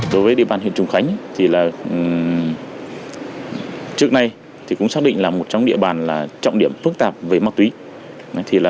đối với địa bàn huyện trùng khánh trước nay cũng xác định là một trong địa bàn trọng điểm phức tạp về ma túi